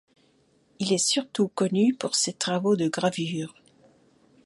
Il est surtout connu pour ses travaux de gravure.